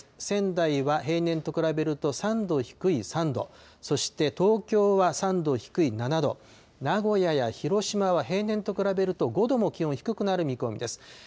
仙台は平年と比べると３度低い３度、そして東京は３度低い７度、名古屋や広島は平年と比べると５度も気温低くなる見込みです。